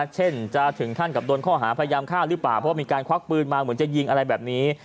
เช่นจะถึงขั้นกับโดนข้อหาพยายามฆ่าหรือเปล่าเพราะว่ามีการควักปืนมาเหมือนจะยิงอะไรแบบนี้